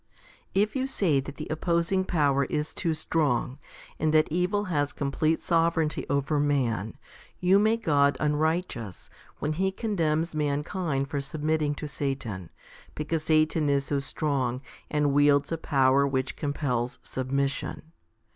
6. If you say that the opposing power is too strong, and that evil has complete sovereignty over man, you make God unrighteous when He condemns mankind for submit ting to Satan, because Satan is so strong, and wields a power which compels submission.